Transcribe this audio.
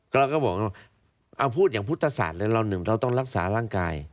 เราก็บอกว่าเอาพูดอย่างพุทธศาสตร์เลยเราหนึ่งเราต้องรักษาร่างกาย